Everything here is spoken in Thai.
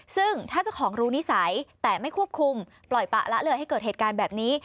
ซึ่งถ้าเจ้าของรู้นิสัยแต่ไม่ควบคุมปล่อยปะละเลยให้เกิดเหตุการณ์แบบนี้